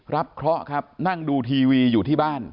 เคราะห์ครับนั่งดูทีวีอยู่ที่บ้าน